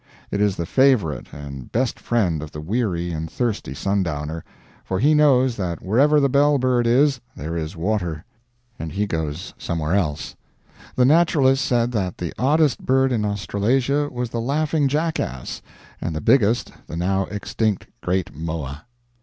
It is the favorite and best friend of the weary and thirsty sundowner; for he knows that wherever the bell bird is, there is water; and he goes somewhere else. The naturalist said that the oddest bird in Australasia was the Laughing Jackass, and the biggest the now extinct Great Moa.